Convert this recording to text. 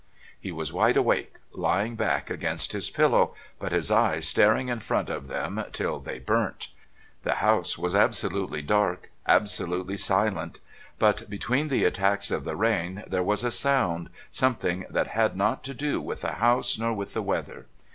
He was wide awake, lying back against his pillow, but his eyes staring in front of them till they burnt. The house was absolutely dark, absolutely silent, but between the attacks of the rain there was a wound, something that had not to do with the house nor with the weather.